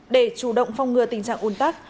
để chủ động phong ngừa tình trạng ồn tắc